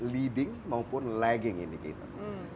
leading maupun lagging indicator